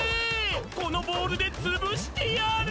このボールでつぶしてやる！